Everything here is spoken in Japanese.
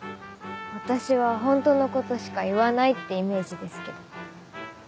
私は本当のことしか言わないってイメージですけど。